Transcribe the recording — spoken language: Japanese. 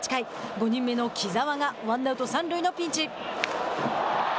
５人目の木澤がワンアウト、三塁のピンチ。